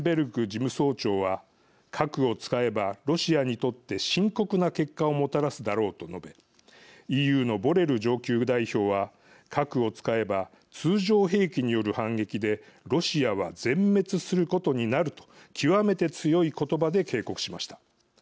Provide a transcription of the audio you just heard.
事務総長は「核を使えばロシアにとって深刻な結果をもたらすだろう」と述べＥＵのボレル上級代表は「核を使えば通常兵器による反撃でロシアは全滅することになる」と極めて強い言葉で警告しました。